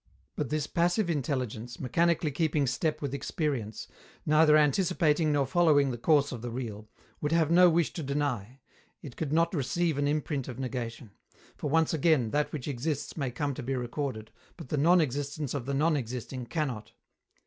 But this passive intelligence, mechanically keeping step with experience, neither anticipating nor following the course of the real, would have no wish to deny. It could not receive an imprint of negation; for, once again, that which exists may come to be recorded, but the non existence of the non existing cannot.